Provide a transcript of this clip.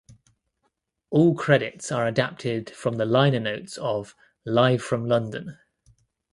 All credits are adapted from the liner notes of "Live from London".